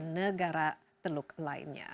negara teluk lainnya